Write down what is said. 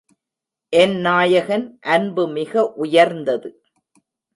என் நாயகன் அன்பு மிக உயர்ந்தது.